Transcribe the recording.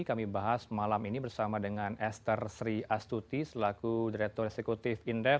kami bahas malam ini bersama dengan esther sri astuti selaku direktur eksekutif indef